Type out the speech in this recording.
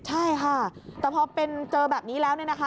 ใช่ค่ะแต่พอเป็นเจอแบบนี้แล้วเนี่ยนะคะ